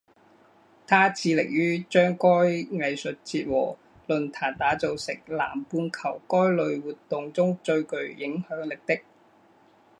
它致力于将该艺术节和论坛打造成南半球该类活动中最具影响力的。